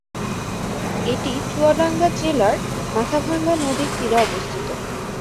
এটি চুয়াডাঙ্গা জেলার মাথাভাঙ্গা নদীর তীরে অবস্থিত।